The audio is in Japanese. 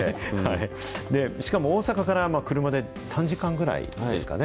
しかも大阪から３時間ぐらいですかね。